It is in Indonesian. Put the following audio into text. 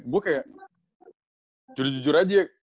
gue kayak jujur jujur aja